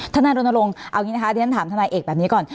ธนาลงอลงเอางี้นะคะท่านถามธนาเอกษ์แบบนี้ก่อน